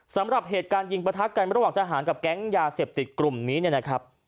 สำหรับเหตุการณ์ยิงประทักกันระหว่างทหารกับแก๊งยาเสพติดกลุ่มนี้เนี่ยนะครับ